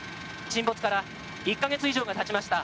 沈没から１か月以上がたちました。